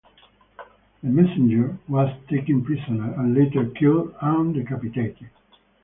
The messenger was taken prisoner and later killed and decapitated.